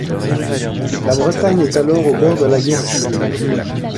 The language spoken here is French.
La Bretagne est alors au bord de la guerre civile.